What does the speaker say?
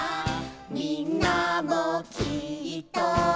「みんなもきっと」